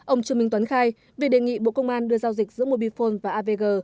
ông trương minh tuấn khai vì đề nghị bộ công an đưa giao dịch giữa mobifone và avg